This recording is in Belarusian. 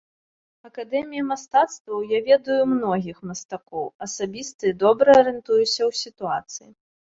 Акадэміі мастацтваў, я ведаю многіх мастакоў асабіста і добра арыентуюся ў сітуацыі.